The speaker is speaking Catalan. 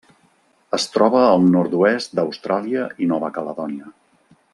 Es troba al nord-oest d'Austràlia i Nova Caledònia.